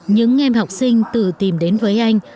những em học sinh tự tìm đến với anh